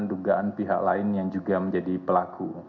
dugaan pihak lain yang juga menjadi pelaku